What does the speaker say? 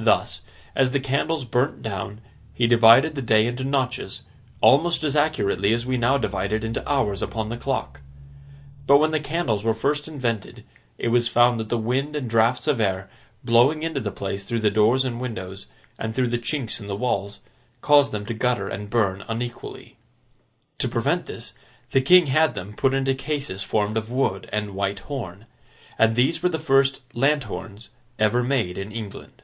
Thus, as the candles burnt down, he divided the day into notches, almost as accurately as we now divide it into hours upon the clock. But when the candles were first invented, it was found that the wind and draughts of air, blowing into the palace through the doors and windows, and through the chinks in the walls, caused them to gutter and burn unequally. To prevent this, the King had them put into cases formed of wood and white horn. And these were the first lanthorns ever made in England.